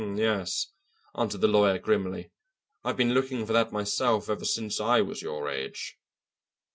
"Yes," answered the lawyer grimly; "I've been looking for that myself ever since I was your age."